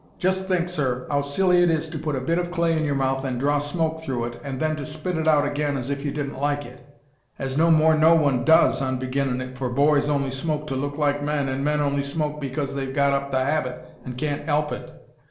Just think, sir, 'ow silly it is to put a bit of clay in your mouth an' draw smoke through it, an' then to spit it out again as if you didn't like it; as no more no one does on beginnin' it, for boys only smoke to look like men, an' men only smoke because they've got up the 'abit an' can't 'elp it.